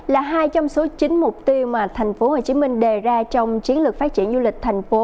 là hai trong số chín mục tiêu mà tp hcm đề ra trong chiến lược phát triển du lịch thành phố